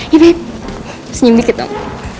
yuk babe senyum dikit dong